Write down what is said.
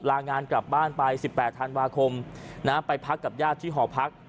ลางานกลับบ้านไป๑๘ธันวาคมไปพักกับญาติที่หอพัก